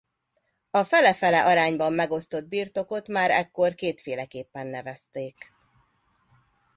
A fele-fele arányban megosztott birtokot már ekkor kétféleképpen nevezték.